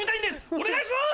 お願いします！